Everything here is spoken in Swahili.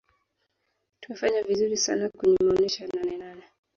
tumefanya vizuri sana kwenye maonesho ya nanenane